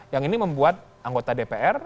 yang ini membuat anggota dpr